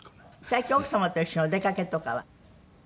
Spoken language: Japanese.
最近奥様と一緒にお出かけとかは？